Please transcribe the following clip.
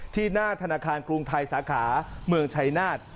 หน้าธนาคารกรุงไทยสาขาเมืองชัยนาฏ